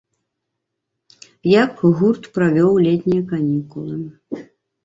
Як гурт правёў летнія канікулы?